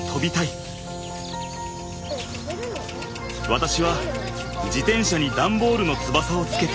私は自転車に段ボールの翼をつけて。